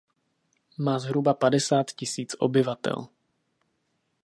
Má zhruba padesát tisíc obyvatel.